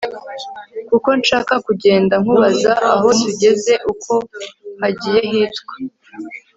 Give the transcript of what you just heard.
kuko nshaka kugenda nkubaza aho tugeze uko hagiye hitwa